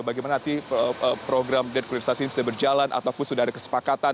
bagaimana nanti program deklarasi ini bisa berjalan ataupun sudah ada kesepakatan